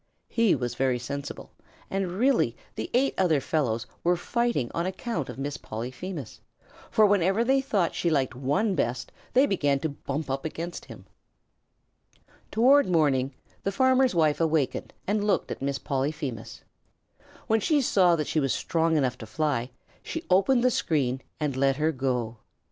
He was very sensible, and really the eight other fellows were fighting on account of Miss Polyphemus, for whenever they thought she liked one best they began to bump up against him. [Illustration: THEY LIVED IN THE FOREST AFTER THAT. Page 109] Toward morning the farmer's wife awakened and looked at Miss Polyphemus. When she saw that she was strong enough to fly, she opened the screen and let her go.